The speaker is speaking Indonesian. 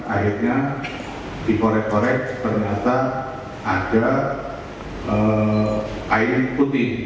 akhirnya dikorek korek ternyata ada air putih